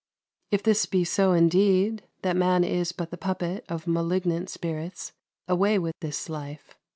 If this be so indeed, that man is but the puppet of malignant spirits, away with this life.